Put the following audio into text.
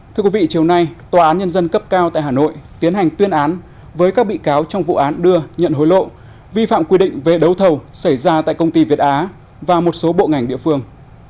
thưa quý vị chiều nay tòa án nhân dân cấp cao tại hà nội tiến hành tuyên án với các bị cáo trong vụ án đưa nhận hối lộ vi phạm quy định về đấu thầu xảy ra tại công ty việt á và một số bộ ngành địa phương